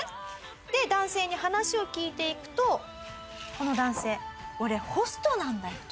で男性に話を聞いていくとこの男性「俺ホストなんだよ」と。